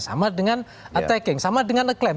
sama dengan attacking sama dengan aclaim